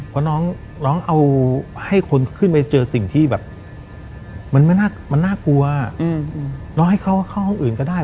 เพราะน้องเอาให้คนขึ้นไปเจอสิ่งที่แบบมันน่ากลัวน้องให้เขาเข้าห้องอื่นก็ได้